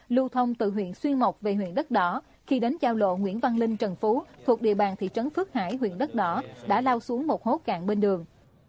lưu thông từ huyện xuyên mộc về huyện đất đỏ khi đến giao lộ nguyễn văn linh trần phú thuộc địa bàn thị trấn phước hải huyện đất đỏ đã lao xuống một hốt cạn bên đường